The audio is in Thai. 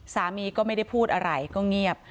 สามีก็ไม่ได้พูดอะไรก็เงียบ